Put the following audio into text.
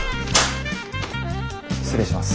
失礼します。